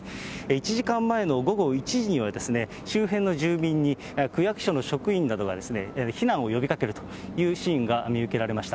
１時間前の午後１時には、周辺の住民に区役所の職員などが、避難を呼びかけるというシーンが見受けられました。